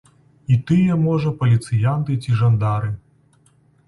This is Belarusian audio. І тыя, можа, паліцыянты ці жандары.